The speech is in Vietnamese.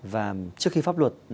và trước khi pháp luật